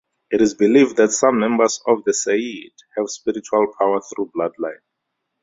It is believed that some members of the "sayyid" have spiritual power through bloodline.